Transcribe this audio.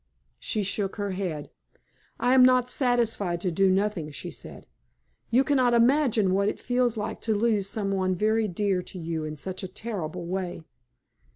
She shook her head. "I am not satisfied to do nothing," she said. "You cannot imagine what it feels like to lose some one very dear to you in such a terrible way.